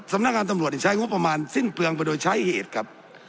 สำนักงานตำรวจใช้งบประมาณสิ้นเปลืองไปโดยใช้เหตุครับ